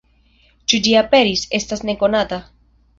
Ĉu ĝi aperis, estas nekonata.